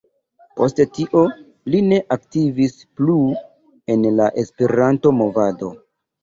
Poste tio, li ne aktivis plu en la Esperanto-movado.